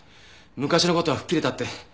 昔の事は吹っ切れたって。